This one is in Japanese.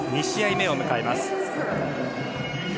２試合目を迎えます。